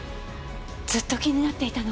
ずっと気になっていたの。